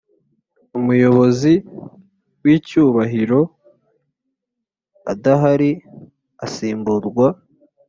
Umuyobozi w icyubahiro adahari asimburwa